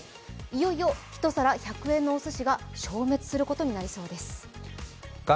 いよいよ１皿１００円のおすしが消滅することになりそうです。